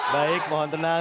baik mohon tenang